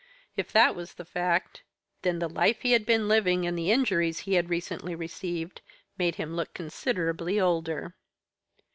If that was the fact, then the life he had been living, and the injuries he had recently received, made him look considerably older.